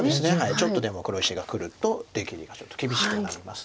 ちょっとでも黒石がくると出切りがちょっと厳しくなります。